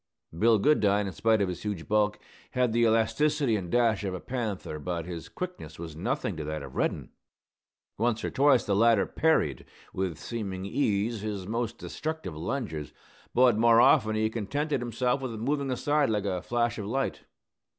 Bill Goodine, in spite of his huge bulk, had the elasticity and dash of a panther; but his quickness was nothing to that of Reddin. Once or twice the latter parried, with seeming ease, his most destructive lunges, but more often he contented himself with moving aside like a flash of light.